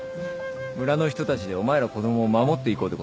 村の人たちでお前ら子供を守っていこうってことだ。